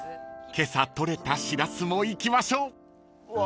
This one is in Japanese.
［今朝取れたシラスもいきましょう］